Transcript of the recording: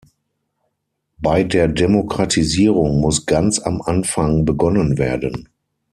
Bei der Demokratisierung muss ganz am Anfang begonnen werden.